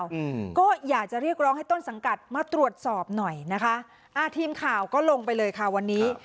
อืมก็อยากจะเรียกร้องให้ต้นสังกัดมาตรวจสอบหน่อยนะคะอ่าทีมข่าวก็ลงไปเลยค่ะวันนี้